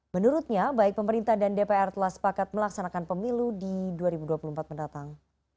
menurutnya baik pemerintah dan dpr telah sepakat melaksanakan pemilu di dua ribu dua puluh empat mendatang